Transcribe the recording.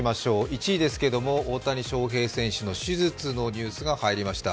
１位ですけども、大谷翔平選手の手術のニュースが入りました。